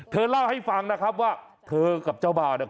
เธอเล่าให้ฟังนะครับว่าเธอกับเจ้าบ่าวเนี่ย